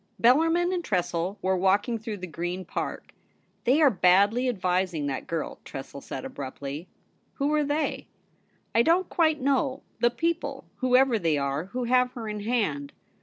ELLARMIN and Tressel were walking through the Green Park ' They are badly advising that girl,' Tressel said abruptly. ' Who are they ?'' I don't quite know ; the people, whoever they are, who have her in hand.